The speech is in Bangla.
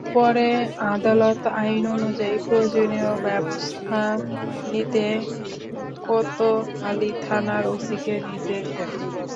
পরে আদালত আইন অনুযায়ী প্রয়োজনীয় ব্যবস্থা নিতে কোতোয়ালি থানার ওসিকে নির্দেশ দেন।